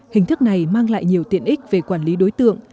hình thức này mang lại nhiều tiện ích về quản lý đối tượng